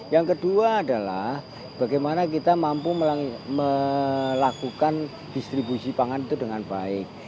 yang kedua adalah bagaimana kita mampu melakukan distribusi pangan itu dengan baik